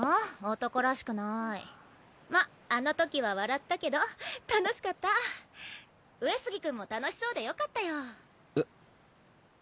男らしくないまっあのときは笑ったけど楽しかった上杉君も楽しそうでよかったよえっ？